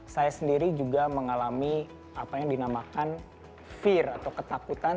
saya sendiri juga mengalami apa yang dinamakan fear atau ketakutan